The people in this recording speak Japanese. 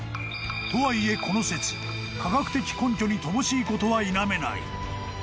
［とはいえこの説科学的根拠に乏しいことは否めない］